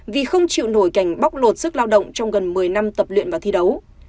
vì không chịu nổi cảnh bóc lột sức lao động trong gần một mươi năm tập luyện và thi đấu